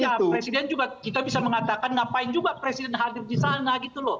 ya presiden juga kita bisa mengatakan ngapain juga presiden hadir di sana gitu loh